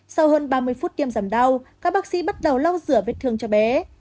sau hơn ba mươi phút tiêm giảm đau các bác sĩ bắt đầu lau rửa vết thương cho bé